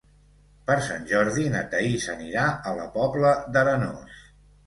Per Sant Jordi na Thaís anirà a la Pobla d'Arenós.